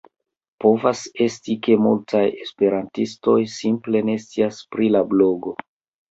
Povas esti, ke multaj esperantistoj simple ne scias pri la blogo.